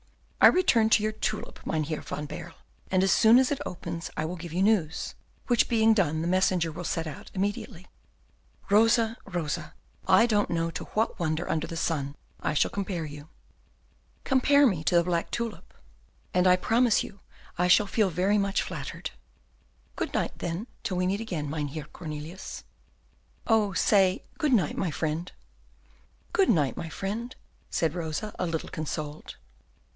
"I return to your tulip, Mynheer van Baerle, and as soon as it opens I will give you news, which being done the messenger will set out immediately." "Rosa, Rosa, I don't know to what wonder under the sun I shall compare you." "Compare me to the black tulip, and I promise you I shall feel very much flattered. Good night, then, till we meet again, Mynheer Cornelius." "Oh, say 'Good night, my friend.'" "Good night, my friend," said Rosa, a little consoled.